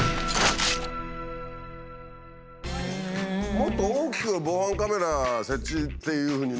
もっと大きく「防犯カメラ設置」っていうふうにね。